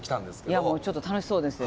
いやもうちょっと楽しそうですよ。